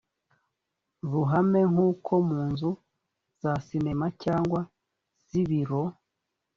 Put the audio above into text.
ruhame nko mu nzu za sinema cyangwa z ibiro